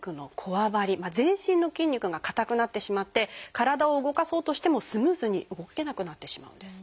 全身の筋肉が硬くなってしまって体を動かそうとしてもスムーズに動けなくなってしまうんです。